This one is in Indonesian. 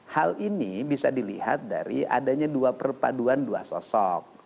hal ini bisa dilihat dari adanya dua perpaduan dua sosok